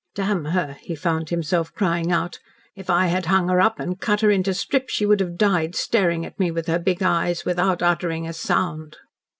"Damn her!" he found himself crying out. "If I had hung her up and cut her into strips she would have died staring at me with her big eyes without uttering a sound."